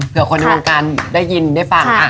เพื่อคนในวงการได้ยินได้ฟัง